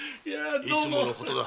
いつものことだ。